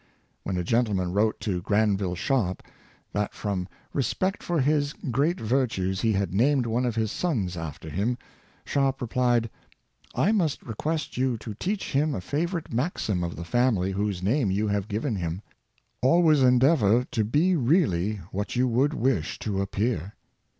When a gentleman wrote to Granville Sharp, that from re spect for his great virtues he had named one of his sons after him. Sharp replied: " I must request you to teach him a favorite maxim of the family whose name you have given him — Always endeavor to he really %vliat you would wish to appear.